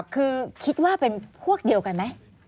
คือคิดว่าเป็นพวกเดียวกันไหม